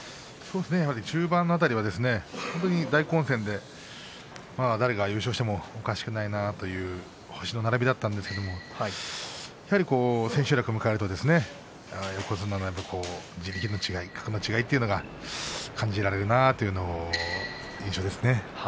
やはり中盤辺りは大混戦で、誰が優勝してもおかしくないなという星の並びだったんですけれどやはり千秋楽を迎えると横綱の地力の違い、格の違いというのが感じられるなという印象ですね。